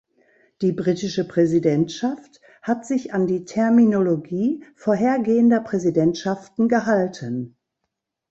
Die britische Präsidentschaft hat sich an die Terminologie vorhergehender Präsidentschaften gehalten.